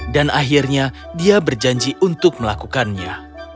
dan akhirnya dia berjanji untuk melakukannya